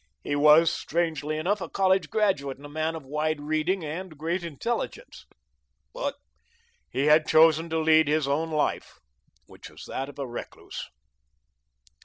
He was, strangely enough, a college graduate and a man of wide reading and great intelligence, but he had chosen to lead his own life, which was that of a recluse.